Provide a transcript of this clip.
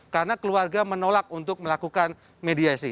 karena keluarga menolak untuk melakukan mediasi